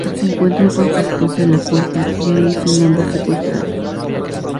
Se encuentra con su esposa en la puerta y allí son ambos secuestrados.